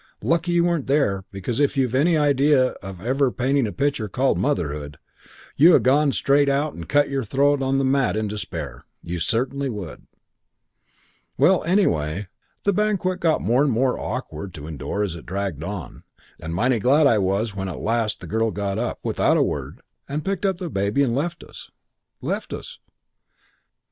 Lucky you weren't there, because if you've any idea of ever painting a picture called Motherhood, you'd ha' gone straight out and cut your throat on the mat in despair. You certainly would. "Well, anyway, the banquet got more and more awkward to endure as it dragged on, and mighty glad I was when at last the girl got up without a word and picked up the baby and left us. Left us.